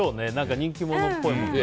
人気者っぽいもん。